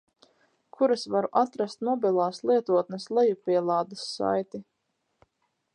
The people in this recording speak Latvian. Kur es varu atrast mobilās lietotnes lejupielādes saiti?